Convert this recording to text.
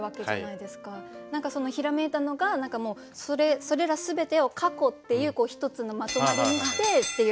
何かそのひらめいたのがもうそれら全てを過去っていう一つのまとまりにしてっていう。